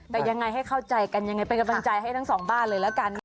แต่ยังไงให้เข้าใจกันยังไงเป็นกำลังใจให้ทั้งสองบ้านเลยแล้วกัน